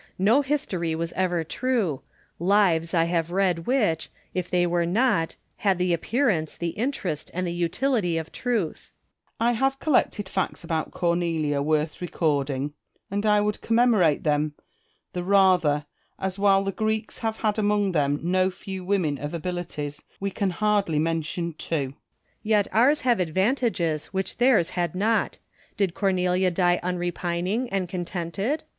No history was ever true : lives I have read which, if they were not, had the appearance, the interest, and the utility of truth. Marcus. I have collected facts about Cornelia worth recording; and I would commemorate them the i atlier, as, while the Greeks have had among them no few women of abilities, wo can hardly mention two. MARCUS TULLIUS AND QUINCTUS CICERO. 331 Quinctus. Yet ours have advantages which theirs had not. Did Cornelia die unrepining and contented